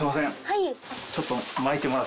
はい。